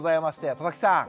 佐々木さん。